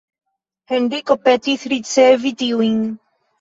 Henriko petis ricevi tiujn.